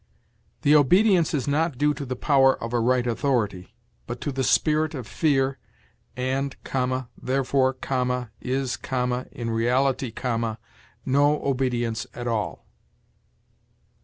'The obedience is not due to the power of a right authority, but to the spirit of fear, and(,) therefore(,) is(,) in reality(,) no obedience at all.'